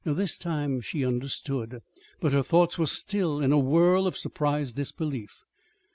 This time she understood. But her thoughts were still in a whirl of surprised disbelief.